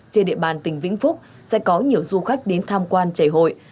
trên địa bàn tỉnh vĩnh phúc sẽ có nhiều du khách đến tham quan chảy hội